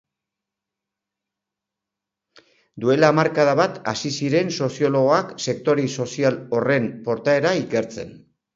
Duela hamarkada bat hasi ziren soziologoak sektori sozial horren portaera ikertzen.